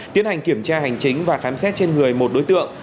tiến hành kiểm tra hành chính và khám xét trên người một đối tượng